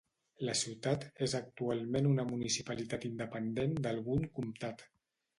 La ciutat és actualment una municipalitat independent d'algun comtat.